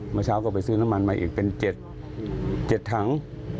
เมื่อเช้าก็ไปซื้อน้ำมันมาอีกเป็น๗ถัง